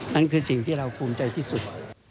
นั่นคือสิ่งที่เราภูมิใจที่สุด